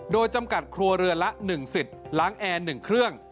โดยจำกัดครัวเรือนละ๑สิทธิ์ล้างแอร์๑เครื่อง